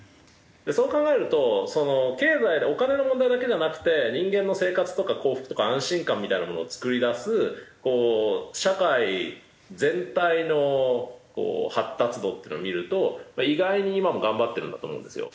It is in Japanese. そう考えると経済お金の問題だけはなくて人間の生活とか幸福とか安心感みたいなものを作り出す社会全体の発達度っていうのを見ると意外に今も頑張ってるんだと思うんですよ。